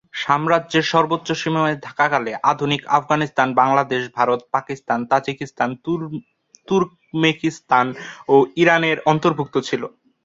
সাম্রাজ্যের সর্বোচ্চ সীমায় থাকাকালে আধুনিক আফগানিস্তান, বাংলাদেশ, ভারত, পাকিস্তান, তাজিকিস্তান, তুর্কমেনিস্তান ও ইরান এর অন্তর্ভুক্ত ছিল।